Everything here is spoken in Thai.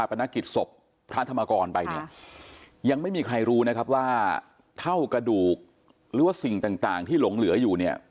ประนักกิจศพพระธรรมกรไปเนี่ยยังไม่มีใครรู้นะครับว่าเท่ากระดูกหรือว่าสิ่งต่างที่หลงเหลืออยู่เนี่ย